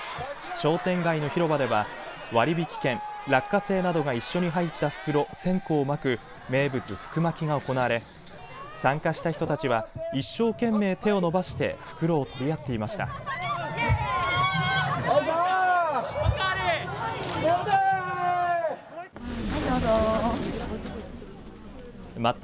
商店街の広場では割引券、落花生などが一緒に入った袋１０００個をまく名物福まきが行われ参加した人たちは一生懸命手を伸ばして袋を取り合っていました。